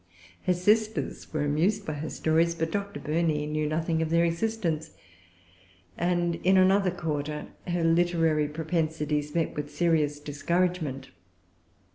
Her sisters were amused by her stories; but Dr. Burney knew nothing of their existence; and in another quarter her literary propensities met with serious discouragement.